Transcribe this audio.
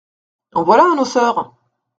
En voilà un noceur !